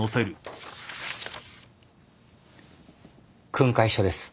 訓戒書です。